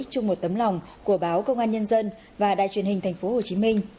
chung một tấm lòng của báo công an nhân dân và đài truyền hình tp hcm